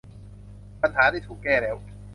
ปัญหาได้ถูกแก้แล้ว